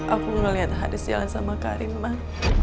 aku melihat haris jalan sama karimah